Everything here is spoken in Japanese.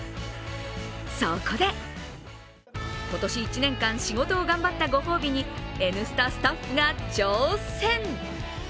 そこで今年１年間仕事を頑張ったご褒美に「Ｎスタ」スタッフが挑戦。